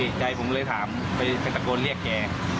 แยกใจผมเลยขอไปเวทิสตังฯเรียกแก